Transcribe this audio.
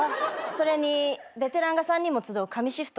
それにベテランが３人も集う神シフト。